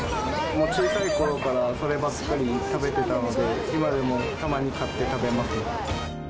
小さいころからそればっかり食べてたので、今でもたまに買って食べますね。